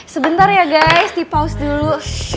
sebentar ya guys dipause dulu